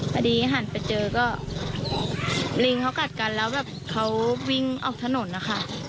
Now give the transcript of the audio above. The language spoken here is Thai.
พอดีหันไปเจอก็ลิงเขากัดกันแล้วแบบเขาวิ่งออกถนนนะคะ